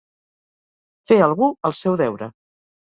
Fer algú el seu deure.